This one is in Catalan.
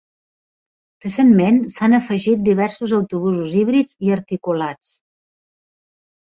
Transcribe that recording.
Recentment s'han afegit diversos autobusos híbrids i articulats.